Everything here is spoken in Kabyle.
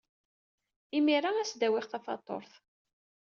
Imir-a ad as-d-awyeɣ tafatuṛt.